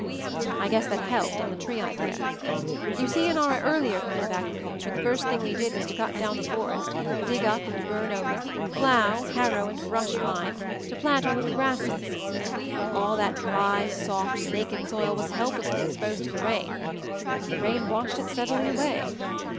"I guess that helped on the tree idea. You see, in our earlier kind of agriculture the first thing we did was to cut down the forest, dig up and burn over, plow, harrow, and brush fine — to plant our little grasses. All that dry, soft, naked soil was helplessly exposed to the rain — and the rain washed it steadily away.